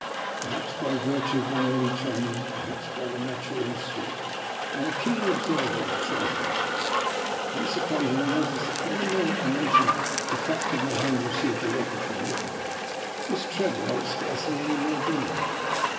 Perhaps by virtue of my early training, perhaps by natural instinct, I am a keen observer of trifles. On this occasion I noticed that from the moment I mentioned the fact of my having received a letter from Nikola, Miss Trevor ate scarcely any more dinner.